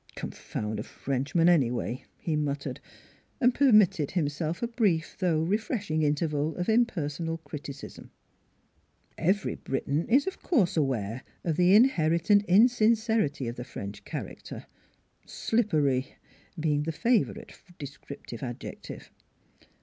"Confound a Frenchman, anyway!" he mut NEIGHBORS 287 tered, and permitted himself a brief though re freshing interval of impersonal criticism. Every Briton is of course aware of the inherent insin cerity of the French character, " slippery " being the favorite descriptive adjective.